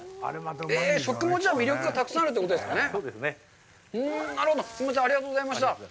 食も魅力がたくさんあるということですかね。